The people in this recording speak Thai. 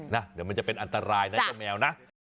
เดี๋ยวมันจะเป็นอันตรายนะเจ้าแมวนะ